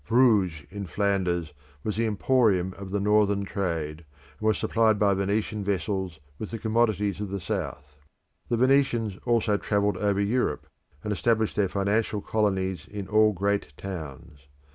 Bruges in Flanders was the emporium of the Northern trade, and was supplied by Venetian vessels with the commodities of the South. The Venetians also travelled over Europe, and established their financial colonies in all great towns.